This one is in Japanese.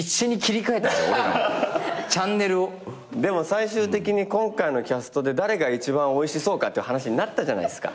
最終的に今回のキャストで誰が一番おいしそうかっていう話になったじゃないですか。